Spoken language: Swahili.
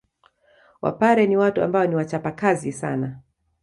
Wapare ni watu ambao ni wachapakazi sana